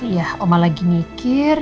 ya oma lagi mikir